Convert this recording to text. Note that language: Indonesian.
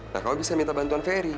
nah kalau bisa minta bantuan ferry